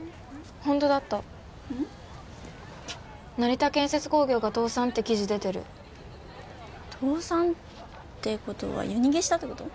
ホントだった「成田建設工業が倒産」って記事出てる倒産っていうことは夜逃げしたってこと？